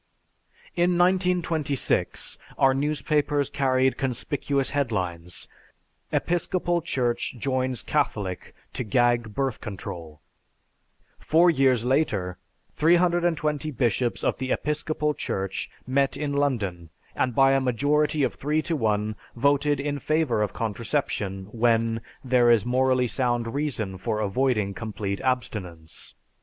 In 1926, our newspapers carried conspicuous headlines, "Episcopal Church Joins Catholic to Gag Birth Control"; four years later, 320 bishops of the Episcopal Church met in London, and by a majority of 3 to 1 voted in favor of contraception when "there is morally sound reason for avoiding complete abstinence."